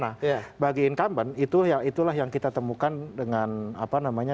nah bagi incumbent itulah yang kita temukan dengan apa namanya